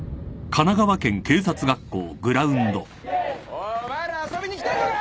おいお前ら遊びに来てんのか！？